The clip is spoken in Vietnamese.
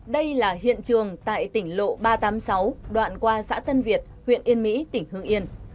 đây là hiện trường tại tỉnh lộ ba trăm tám mươi sáu đoạn qua xã tân việt huyện yên mỹ tỉnh hương yên